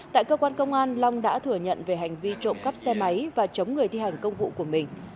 tại cơ quan công an long đã thừa nhận về hành vi trộm cắp xe máy và chống người thi hành công vụ của mình